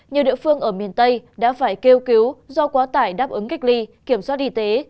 nhiều địa phương ở miền tây đã phải kêu cứu do quá tải đáp ứng cách ly kiểm soát y tế